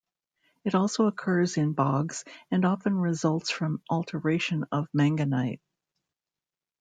It also occurs in bogs and often results from alteration of manganite.